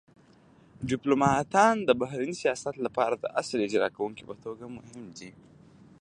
ډیپلوماتان د بهرني سیاست لپاره د اصلي اجرا کونکو په توګه مهم دي